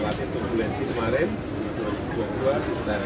tahun turbulensi tahun dua ribu dua puluh tiga adalah tahun ujian